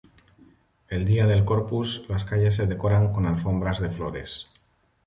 El día de Corpus, las calles se decoran con alfombras de flores.